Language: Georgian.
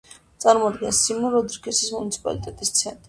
წარმოადგენს სიმონ-როდრიგესის მუნიციპალიტეტის ცენტრს.